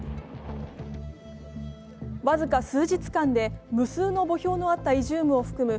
僅か数日間で無数の墓標のあったイジュームを含む